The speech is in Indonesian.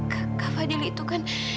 kak fadil itu kan